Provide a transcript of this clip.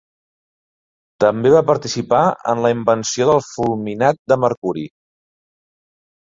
També va participar en la invenció del fulminat de mercuri.